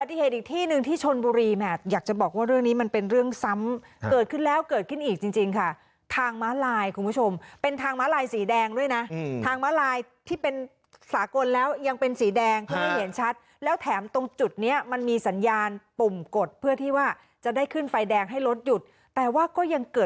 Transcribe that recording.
ที่เหตุอีกที่หนึ่งที่ชนบุรีแหมอยากจะบอกว่าเรื่องนี้มันเป็นเรื่องซ้ำเกิดขึ้นแล้วเกิดขึ้นอีกจริงจริงค่ะทางม้าลายคุณผู้ชมเป็นทางม้าลายสีแดงด้วยนะทางม้าลายที่เป็นสากลแล้วยังเป็นสีแดงเพื่อให้เห็นชัดแล้วแถมตรงจุดเนี้ยมันมีสัญญาณปุ่มกดเพื่อที่ว่าจะได้ขึ้นไฟแดงให้รถหยุดแต่ว่าก็ยังเกิด